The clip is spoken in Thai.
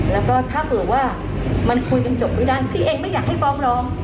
แล้วก็ถ้าเผื่อว่ามันคุยกันจบไม่ได้พี่เองไม่อยากให้ฟ้องร้อง